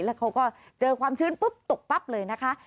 แล้วเขาก็เจอความชื้นปุ๊บตกปั๊บเลยนะคะ